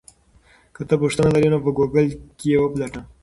که ته پوښتنه لرې نو په ګوګل کې یې وپلټه.